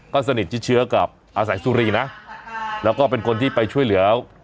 ก็สนิทชิดเชื้อกับอาศัยสุรีนะแล้วก็เป็นคนที่ไปช่วยเหลือ